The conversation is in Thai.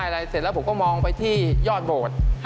แล้วผมก็มองไปที่ยอดโบสถ์